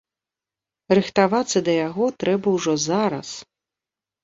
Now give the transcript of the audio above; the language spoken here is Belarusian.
Рыхтавацца да яго трэба ўжо зараз.